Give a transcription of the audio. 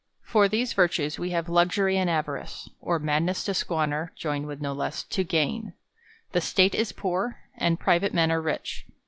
For these virtues, we have luxury and avarice ; or madness to squander, joined with no less, to gain ; the State is poor, and private men are rich.